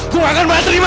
gue gak akan pernah terima